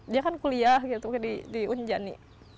dia kan kuliah gitu di unjani